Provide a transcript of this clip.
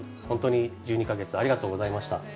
ほんとに１２か月ありがとうございました。